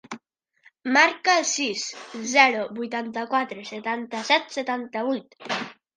Marca el sis, zero, vuitanta-quatre, setanta-set, setanta-vuit.